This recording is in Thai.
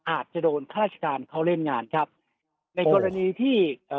อาจจะโดนข้าราชการเขาเล่นงานครับในกรณีที่เอ่อ